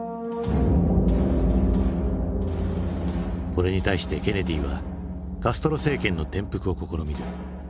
これに対してケネディはカストロ政権の転覆を試みる。